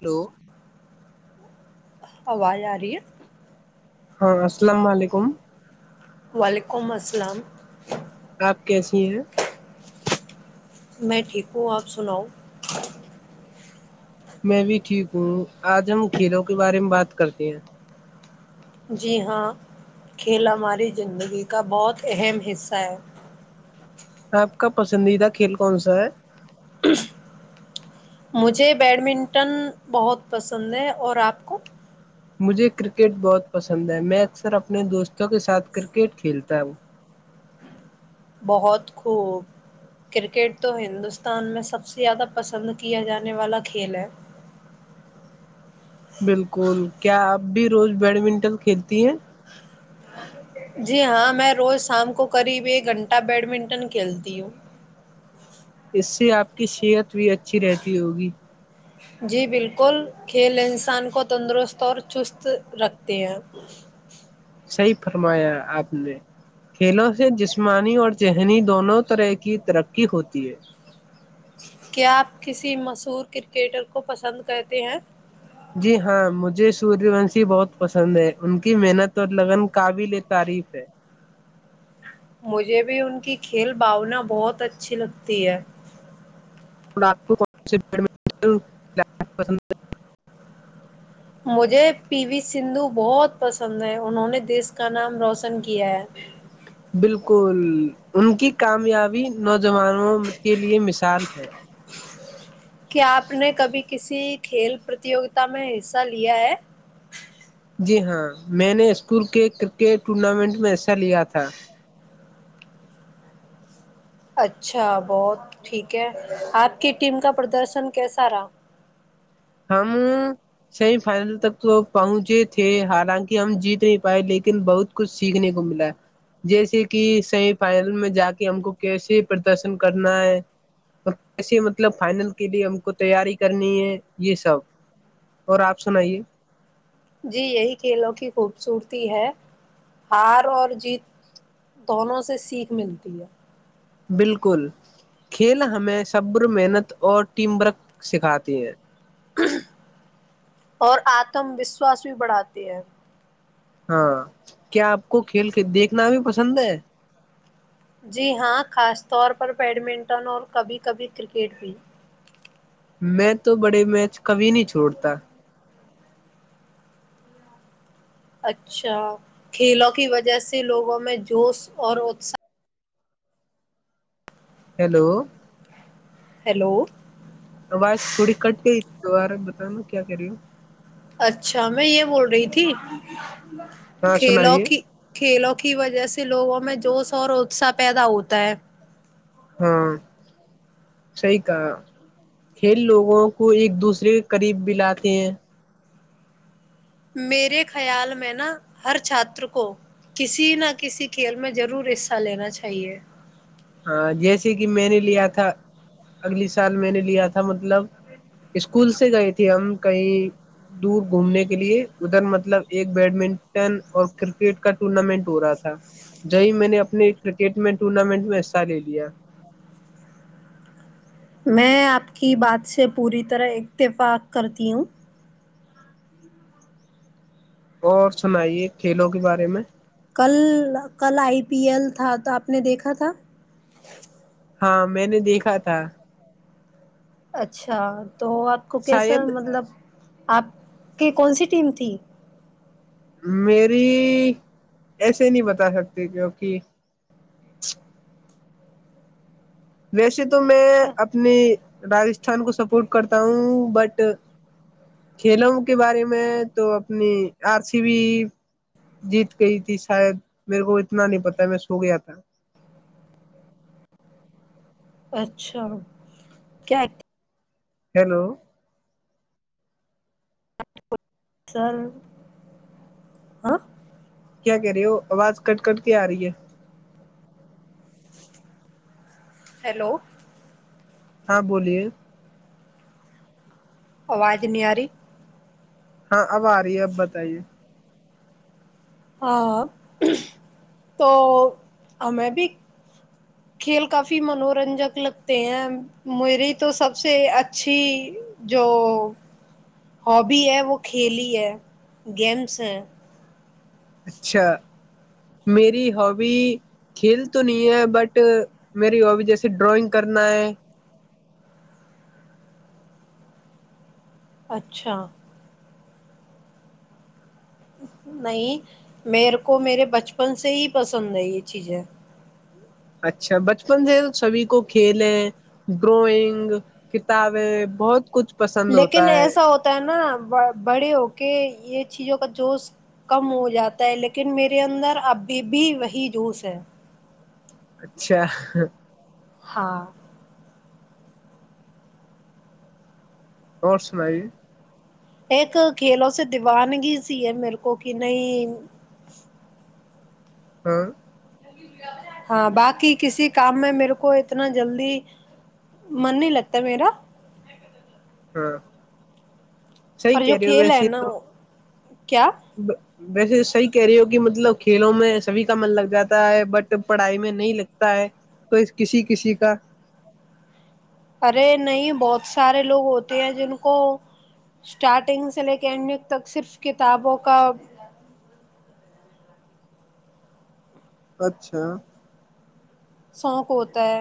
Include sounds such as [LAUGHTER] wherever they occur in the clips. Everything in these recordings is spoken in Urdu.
ہیلو او یار ہاں السلام علیکم وعلیکم السلام آپ کیسی ہیں میں ٹھیک ہ آپ سناؤ میں بھی ٹھیک ہوں آج ہم کھیلوں کے بارے میں بات کرتے ہیں جی ہاں کھیل ہماری زندگی کا بہت اہم حصہ ہے آپ کا پسندیدہ کھیل کون سا ہے مجھے بیڈمنٹن بہت پسند ہے اور آپ کو مجھے کرکٹ بہت پسند ہے میں اکثر اپنے دوستوں کے ساتھ کرکٹ کھیلتا ہوں بہت خوب کرکٹ تو ہندوستان میں سب سے زیادہ پسند کیا جانے والا کھیل ہے بالکل کیاپ اب بھی روز بیڈمنٹن کھیلتی ہیں جی ہاں میں روز شام کو قریب ایک گھنٹہ بیڈمنٹن کھیلتی ہوں اس سے آپ کی صحت بھی اچھی رہتی ہوگی جی بالکل کھیل انسان کو تندرست اور چست رکھتے ہیں صحیح فرمایا آپ نے کھیلوں سے جسمانی اور ذہنی دونوں طرح کی ترقی ہوتی ہے کیا آپ کسی مشہور کرکٹر کو پسند کرتے ہیں جی ہاں مجھے سوریہ وونشی بہت پسند ہے ان کی محنت اور لگن قابل تعریف ہے مجھے بھی ان کی کھیل بھاونا بہت اچھی لگتی ہے اور آپ کو کون سے بیڈٹ پند مجھے پی وی سندو بہت پسند ہے انہوں نے دیس کا نام روشن کیا ہے بالکل ان کی کامیابی نوجوانوں کے لیے مثال ہے کیا آپ نے کبھی کسی کھیل پرتوگتا میں حصہ لیا ہے جی ہاں میں نے اسکول کے کرکٹ ٹورنامنٹ میں حصہ لیا تھا اچھا بہت ٹھیک ہے آپ کی ٹیم کا پردرشن کیسا رہا ہم سیمی فائنل تک تو پہنچے تھے حالانکہ ہم جیت نہیں پائے لیکن بہت کچھ سیکھنے کو ملا جیسے کہ سیمی فائنل میں جا کے ہم کو کیسے پردرشن کرنا ہے اور کیسے مطلب فائنل کے لیے ہم کو تیاری کرنی ہے یہ سب اور آپ سنائیے جی یہی کھیلوں کی خوبصورتی ہے ہار اور جیت دونوں سے سیکھ ملتی ہے بالکل کھیل ہمیں صبر محنت اور ٹیم ورک سکھاتی ہیں اور آتم وشواس بھی بڑھاتی ہے ہاں کیا آپ کو کھیل دیکھنا اھی پسند ہے جی ہاں خاص طور پر بیڈمنٹن اور کبھی کبھی کرکٹ بھی میں تو بڑے میچ کبھی نہیں چھوڑتا اچھا کھیلوں کی وجہ سے لوگوں میں جوش اور اتساہ ہیلو ہیلو آواز تھوڑی کٹ گئی ت دوبارہ بتانا کیا کر رہی ہوں اچھا میں یہ بول رہی تھی ہاں کھیلوں سنائیے کی کھیلوں کی وجہ سے لوگوں میں جوش اور اتصاہ پیدا ہوتا ہے ہاں صحی کہا کھیل لوگوں کو ایک دوسرے کے قریب بلاتے ہیں میرے خیال میں نا ہر چھاتر کو کسی نہ کسی کھیل میں ضرور حصہ لینا چاہیے ہاں جیسے کہ میں نے لیا تھا اگلی سال میں نے لیا تھا مطلب اسکول سے گئے تھے ہم کہیں دور گھومنے کے لیے ادھر مطلب ایک بیڈمنٹن اور کرکٹ کا ٹورنامنٹ ہو رہا تھا جی میں نے اپنے کرکٹ میں ٹورنامنٹ میں سال لیا میں آپ کی بات سے پوری طرح اتفاق کرتی ہوں اور سنائیے کھیلوں کے بارے میں کل کل آئی پی ایل تھا تو آپ نے دیکھا تھا ہاں میں نے دیکھا تھا اچھا تو آپ کو کیسا شاید مطلب آپ کی کون سی ٹیم تھی میری ایسے نہیں بتا سکتی کیوںک ویسے تو میں اپنی راستھان کو سپورٹ کرتا ہوں بٹ کھیلوں کے بارے میں تو اپنی آر سی بھی جیت گئی تھی شاید میرے کو اتنا نہیں پتا میں سو گیا تھا اچھا کیا ہیلو [INAUDIBLE] کیا کہہ رہے ہو آواز کٹ کٹ کے آ رہی ہے ہیلو ہاں بولیے آواز نہیںیاری ہاں اب آ رہی ہے اب بتائیے ہاں تو ہمیں بھی کھیل کافی منورنجک لگتے ہیں میری تو سب سے اچھی جو ہابی ہے وہ کھیلی ہے گیمس ہیں اچھا میری ہابی کھیل تو نہیں ہے بٹ میری ہابی جیسے ڈرائنگ کرنا ہے اچھا نہیں میرے کو میرے بچپن سے ہی پسند ہے یہ چیزیں اچھا بچپن سے سبھی کو کھیلیں ڈرائنگ کتابیں بہت کچھ پسند لیکن ہوتا ہے ایسا ہوتا ہے نا بڑے ہو کے یہ چیزوں کا جوش کم ہو جاتا ہے لیکن میرے اندر ابھی بھی وہی جوش ہے اچھا ہاں اور سنائی ایک کھیلوں سے دیوانگی سی ہے میرے کو کہ نہیں ہاں ہاں باقی کسی کام میں میرے کو اتنا جلدی من نہیں لگتا میرا ہاں سی پر جو کر رہے ہو کھیل ہے ویسے نا تو کیا ویسے صحیح کہہ رہی ہو کہ مطلب کھیلوں میں سبھی کا من لگ جاتا ہے بٹ پڑھائی میں نہیں لگتا ہے تو کسی کسی کا ارے نہیں بہت سارے لوگ ہوتے ہیں جن کو اسٹارٹنگ سے لے کے انینڈنگ تک صرف کتابوں کا اچھا سوق ہوتا ہے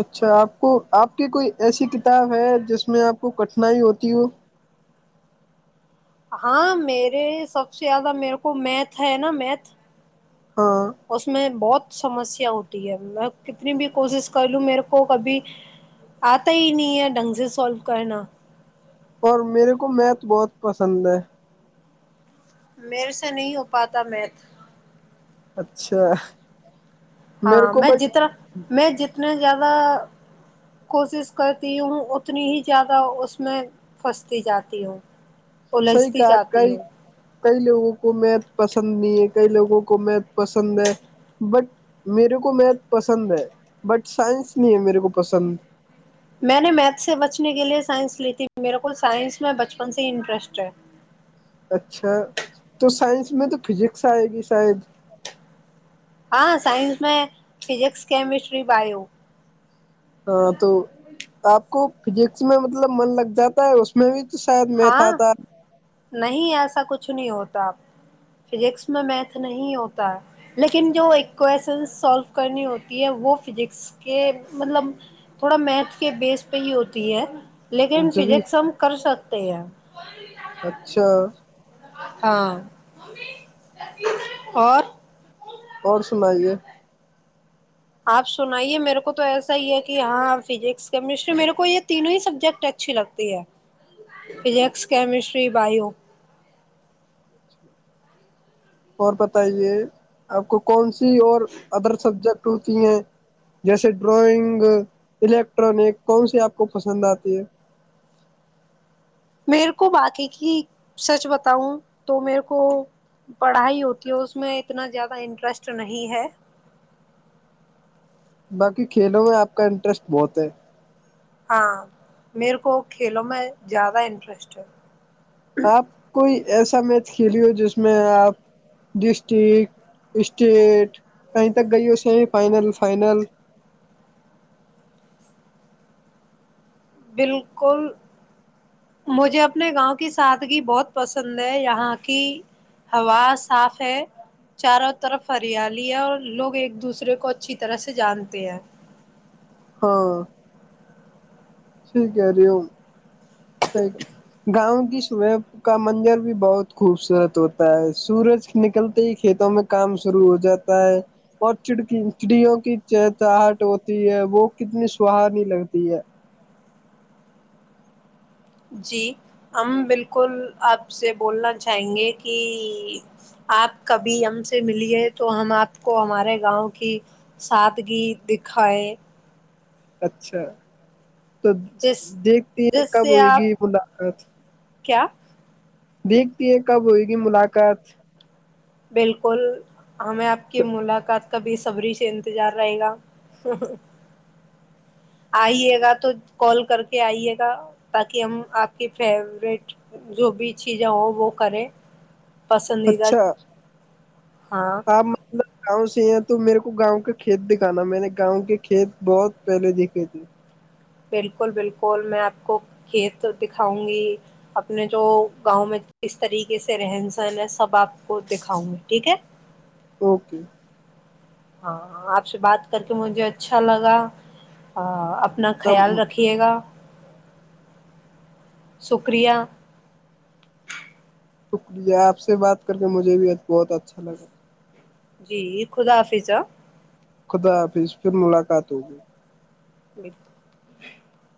اچھا آپ کو آپ کی کوئی ایسی کتاب ہے جس میں آپ کو کٹھنائی ہوتی ہو ہاں میرے سب سے زیادہ میرے کو میتھ ہے نا میتھ ہاں اس میں بہت سمسیا ہوتی ہے میں کتنی بھی کوشش کر لوں میرے کو کبھی آتا ہی نہیں ہے ڈھنگ سے سولو کرنا اور میرے کو میتھ بہت پسند ہے مے سے نہیں ہو پاتا میت اچھا میرے ہاں کو میں بٹ جتنا میں جتنے زیادہ زیادہ کوشش کرتی ہوں اتنی ہی زیادہ اس میں پھنستی جاتی ہوں سی الجھتی کہ کئی جاتی ہوں کئی لوگوں کو میتھ پسند نہیں ہے کئی لوگوں کو میتھ پسند ہے بٹ میرے کو میتھ پسند ہے بٹ سائنس نہیں ہے میرے کو پسند میں نے میتھ سے بچنے کے لیئے سائنس لی تھی میرے کول سائنس میں بچپن سے ہی انٹرسٹ ہے اچھا تو سائنس میں تو فزکس آئے گی شاید ہاں سائنس میں فزکس کیمسٹری بو ہاں تو آپ کو فزکس میں مطلب من لگ جاتا ہے اس میں بھی تو شاید میں تھا ہاں تھا نہیں ایسا کچھ نہیں ہوتا فزکس میں میتھ نہیں ہوتا لیکن جو ایکویشن سالو کرنی ہوتی ہے وہ فزکس کے مطلب تھوڑا میتھ کے بیس پہ ہی ہوتی ہے لیکن جبھی فزس ہم کر سک اچھا [INAUDIBLE] ہاں اور اور سنائیے آپ سنائیے میرے کو تو ایسا ہی ہے کہ ہاں فزکس کیمسٹری میرے کو یہ تینوں ہی سبجیکٹ اچھی لگتی ہے فزکس کیمسٹری بایو اور بتائیے آپ کو کون سی اور ادر سبجیکٹ ہوتی ہیں جیسے ڈرائنگ الیکٹرانک کون سی آپ کو پسند آتی ہے میرے کو باقی کی سچ بتاؤں تو میرے کو پڑھائی ہوتی ہے اس میں اتنا زیادہ انٹرسٹ نہیں ہے باقی کھیلوں میں آپ کا انٹرسٹ بہت ہے ہاں میرے کو کھیلوں میں زیادہ انٹرسٹ ہے آپ کوئی [INAUDIBLE] ایسا میچ کھیلی ہو جس میں آپ ڈسٹرک اسٹیٹ کہیں تک گئی ہو سیمی فائنل فائنل بالکل مجھے اپنے گاؤں کی سادگی بہت پسند ہے یہاں کی ہوا صاف ہے چاروں طرف ہریالی ہے اور لوگ ایک دوسرے کو اچھی طرح سے جانتے ہیں ہاں [INAUDIBLE] ٹھیک ہے ہرمیک گاؤں کی صبحب کا منجر بھی بہت خوبصورت ہوتا ہے سورج نکلتے ہی کھیتوں میں کام شروع ہو جاتا ہے اور چڑکی چڑیوں کی چہچاہٹ ہوتی ہے وہ کتنی سہانی لگتی ہے جی ہم بالکل آپ سے بولنا چاہیں گے کہ آپ کبھی ہم سے ملیے تو ہم آپ کو ہمارے گاؤں کی سادگی دکھائے اچھا [INAUDIBLE] تو جس دیکھتی ہے جس کب سے ہوئے آپ گی ملاقات کیا دیکھتی ہے کب ہوئے گی ملاقات بالکل ہمیں آپ کی ملاقات کا ب صبری سے انتظار رہے گا آئیے گا تو کال کر کے آئیے گا تاکہ ہم آپ کی فیورٹ جو بھی چیزیں ہو وہ کریں پسندیدہ [INAUDIBLE] اچھا ہاں آپ مطلب گاؤں سے یہ تو میرے کو گاؤں کا کھیت دکھانا میں نے گاؤں کے کھیت بہت پہلے دیکھے تھے بالکل بالکل میں آپ کو کھیت دکھاؤں گی اپنے جو گاؤں میں کس طریقے سے رہن سہن ہے سب آپ کو دکھاؤں گی ٹھیک ہے اوکے [INAUDIBLE] ہاں آپ سے بات کر کے مجھے اچھا لگا اپنا خیال رکھیے گا شکریہ [INAUDIBLE] شکریہ آپ سے بات کر کے مجھے بھی بہت اچھا لگا جی خدا حافظا خدا حافظ پھر ملاقات ہوگی جی [INAUDIBLE]